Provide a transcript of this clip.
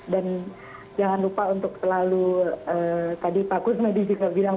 dan jangan lupa untuk selalu tadi pak gus medis juga bilang